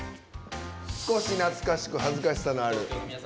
少し懐かしく、恥ずかしさのある。